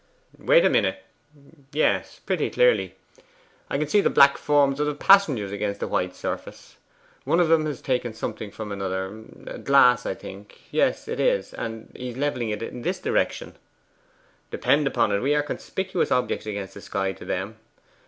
'Wait a minute; yes, pretty clearly. And I can see the black forms of the passengers against its white surface. One of them has taken something from another a glass, I think yes, it is and he is levelling it in this direction. Depend upon it we are conspicuous objects against the sky to them.